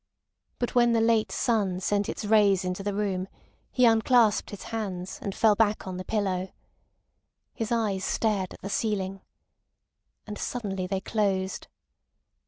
But when the late sun sent its rays into the room he unclasped his hands, and fell back on the pillow. His eyes stared at the ceiling. And suddenly they closed.